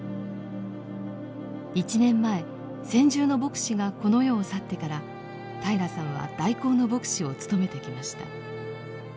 １年前専従の牧師がこの世を去ってから平良さんは代行の牧師を務めてきました。